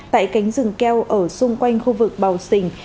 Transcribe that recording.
tại cánh rừng keo ở xung quanh khu vực bào sình